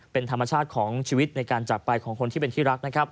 เป็นธรรมชาติของชีวิตในการจากไปของคนที่เป็นที่รักนะครับ